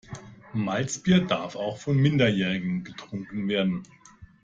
Malzbier darf auch von Minderjährigen getrunken werden.